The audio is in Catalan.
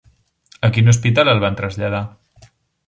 A quin hospital el van traslladar?